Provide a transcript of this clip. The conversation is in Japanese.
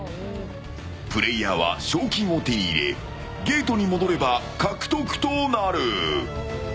プレーヤーは賞金を手に入れゲートに戻れば獲得となる。